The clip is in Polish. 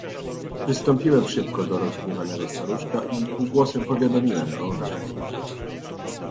"Przystąpiłem szybko do rozgniewanego staruszka i półgłosem powiadomiłem go o naszych smutkach."